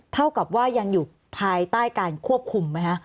เท่ากับว่ายังอยู่ภายใต้การควบคุมไหมคะ